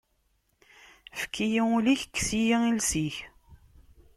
Ẓefk-iyi ul-ik, kkes-iyi iles-ik.